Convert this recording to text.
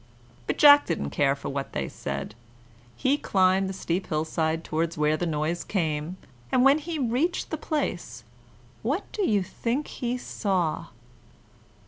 But Jack didn't care for what they said; he climbed the steep hillside towards where the noise came, and when he reached the place, what do you think he saw?